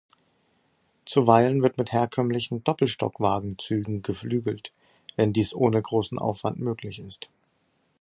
Zuweilen wird mit herkömmlichen Doppelstockwagen-Zügen geflügelt, wenn dies ohne großen Aufwand möglich ist.